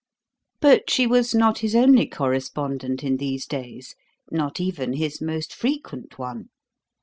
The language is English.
But she was not his only correspondent in these days not even his most frequent one.